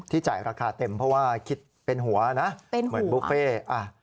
จ่ายราคาเต็มเพราะว่าคิดเป็นหัวนะเหมือนบุฟเฟ่